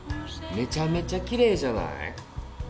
めちゃめちゃきれいじゃない？